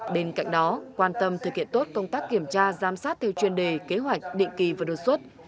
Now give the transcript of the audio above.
bên cạnh đó quan tâm thực hiện tốt công tác kiểm tra giám sát theo chuyên đề kế hoạch định kỳ và đột xuất